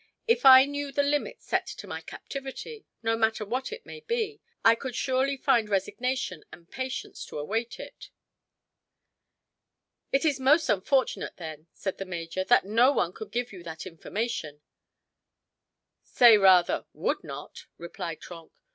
If I knew the limit set to my captivity no matter what it may be I could surely find resignation and patience to await it." "It is most unfortunate, then," said the major, "that no one could give you that information." "Say rather, would not," replied Trenck.